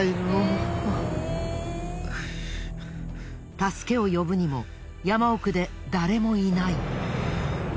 助けを呼ぶにも山奥で誰もいない。